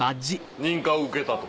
認可を受けたと？